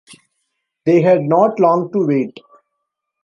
They had not long to wait.